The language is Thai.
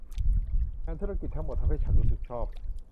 งานธุรกิจทั้งหมดทำให้ฉันรู้สึกชอบ